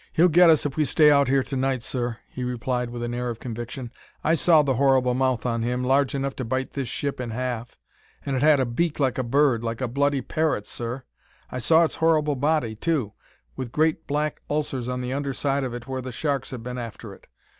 "'He'll get us if we stay out here to night, sir,' he replied with an air of conviction. 'I saw the horrible mouth on him, large enough to bite this ship in half; and it had a beak like a bird, like a bloody parrot, sir. I saw its horrible body, too, with great black ulcers on the under side of it where the sharks had been after it.